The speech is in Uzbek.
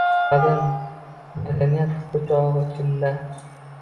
Qadim madaniyat o’chog’i Chinda